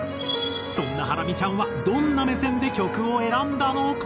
そんなハラミちゃんはどんな目線で曲を選んだのか？